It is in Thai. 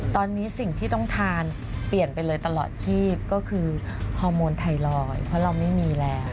ตอนนี้สิ่งที่ต้องทานเปลี่ยนไปเลยตลอดชีพก็คือฮอร์โมนไทรอยด์เพราะเราไม่มีแล้ว